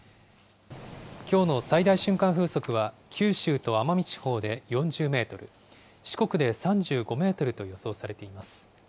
きょうの最大瞬間風速は、九州と奄美地方で４０メートル、四国で３５メートルと予想されています。